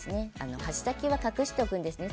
箸先は隠しておくんですね。